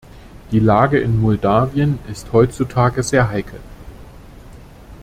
Die Lage in Moldawien ist heutzutage sehr heikel.